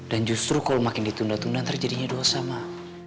dan justru kalo makin ditunda tunda terjadinya dosa ma